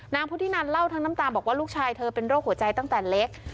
พุทธินันเล่าทั้งน้ำตาบอกว่าลูกชายเธอเป็นโรคหัวใจตั้งแต่เล็ก